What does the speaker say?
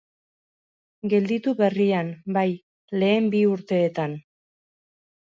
Gelditu berrian, bai, lehen bi urteetan.